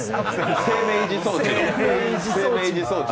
生命維持装置の。